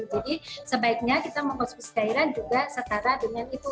jadi sebaiknya kita mengonsumsi cairan juga setara dengan itu